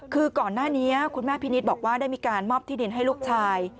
คือก่อนหน้านี้คุณแม่พินิษฐ์บอกว่าได้มีการมอบที่ดินให้ลูกชาย